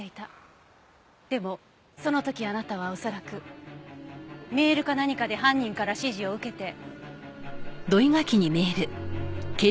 でもその時あなたは恐らくメールか何かで犯人から指示を受けて。